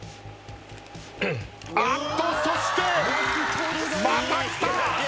あっとそしてまた来た！